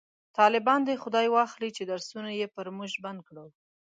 طالبان دی خداي واخلﺉ چې درسونه یې په موژ بند کړو